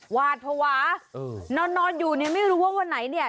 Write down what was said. หวาดภาวะนอนอยู่เนี่ยไม่รู้ว่าวันไหนเนี่ย